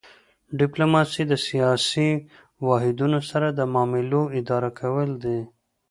ډیپلوماسي د سیاسي واحدونو سره د معاملو اداره کول دي